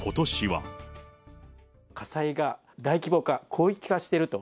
火災が大規模化、広域化していると。